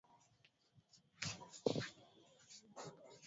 na pia kwa matangazo rasmi kwa mfano kwa kutangaza sheria